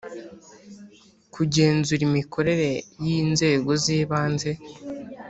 kugenzura imikorere yi nzego zibanze